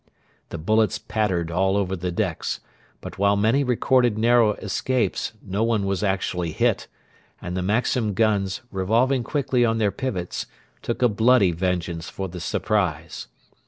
The bullets pattered all over the decks, but while many recorded narrow escapes no one was actually hit, and the Maxim guns, revolving quickly on their pivots, took a bloody vengeance for the surprise.